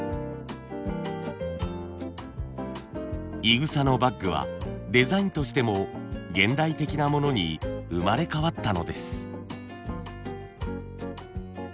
いぐさのバッグはデザインとしても現代的なものに生まれ変わったのです。